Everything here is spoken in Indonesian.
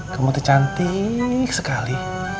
kamu tuh cantik sekali